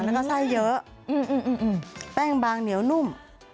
แล้วก็ไส้เยอะแป้งบางเหนียวนุ่ม